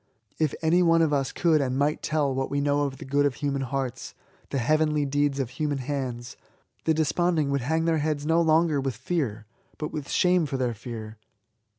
If any one of us could and might tell what we know of the good of human hearts, the heavenly deeds of human hands, the desponding would hang their heads no longer with fear, but with shame for their fear.